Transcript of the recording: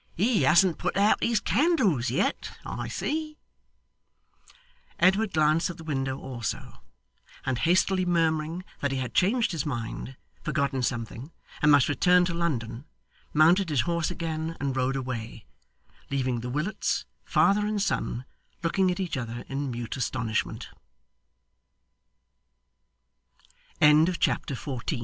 'He hasn't put out his candles yet, I see.' Edward glanced at the window also, and hastily murmuring that he had changed his mind forgotten something and must return to London, mounted his horse again and rode away; leaving the Willets, father and son, looking at each other in mute astonis